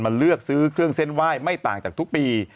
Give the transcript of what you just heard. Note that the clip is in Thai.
เลือกซื้อเครื่องเส้นไหว้ไม่ต่างจากทุกปี